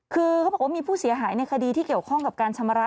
คือเขาบอกว่ามีผู้เสียหายในคดีที่เกี่ยวข้องกับการชำระ